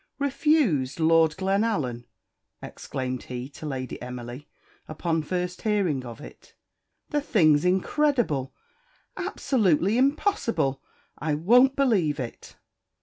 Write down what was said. "Refused Lord Glenallan!" exclaimed he to Lady Emily, upon first hearing of it. "The thing's incredible absolutely impossible I won't believe it!"